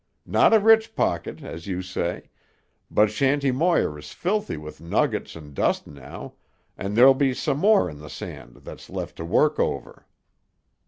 Not a rich pocket, as you say, but Shanty Moir is filthy with nuggets and dust now, and there'll be some more in the sand that's left to work over.